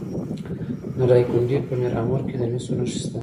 د دایکنډي په میرامور کې د مسو نښې شته.